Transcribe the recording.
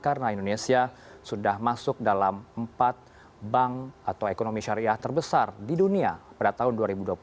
karena indonesia sudah masuk dalam empat bank atau ekonomi syariah terbesar di dunia pada tahun dua ribu dua puluh